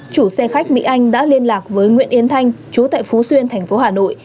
chủ xe khách mỹ anh đã liên lạc với nguyễn yến thanh chú tại phú xuyên tp hà nội